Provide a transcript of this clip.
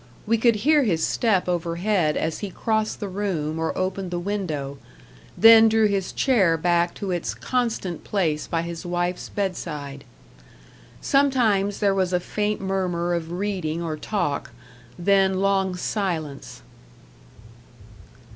We could hear his step overhead as he crossed the room or opened the window, then drew his chair back to its constant place by his wife's bedside. Sometimes there was a faint murmur of reading or talk; then long silence.